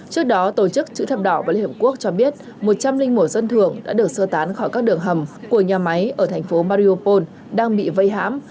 trước đó tổ chức chữ thập đỏ và liên hợp quốc cho biết một trăm linh một dân thường đã được sơ tán khỏi các đường hầm của nhà máy ở thành phố mariopol đang bị vây hãm